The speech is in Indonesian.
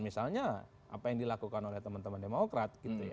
misalnya apa yang dilakukan oleh teman teman demokrat